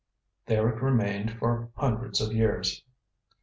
There it remained for hundreds of years."